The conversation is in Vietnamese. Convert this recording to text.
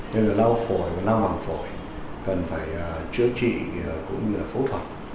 nên là lau phổi và lau hoàng phổi cần phải chữa trị cũng như là phẫu thuật